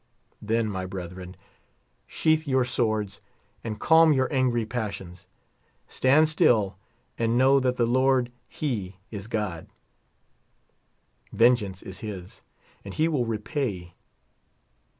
Then, my bretlu en, sheath your swords, and calm your angry passions. Stand still, and know that the Lord he is God. Vengeance 'is his. and he will repay.